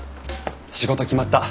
仕事決まった。